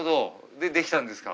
でできたんですか。